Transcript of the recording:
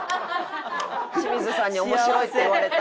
清水さんに面白いって言われたっていう。